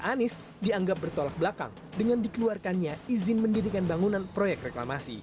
anies dianggap bertolak belakang dengan dikeluarkannya izin mendirikan bangunan proyek reklamasi